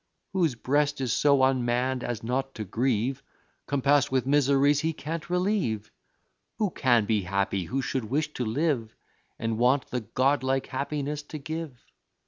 Whose breast is so unmann'd, as not to grieve, Compass'd with miseries he can't relieve? Who can be happy who should wish to live, And want the godlike happiness to give?